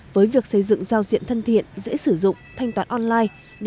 với việc xây dựng giao diện thân thiện dễ sử dụng thanh toán online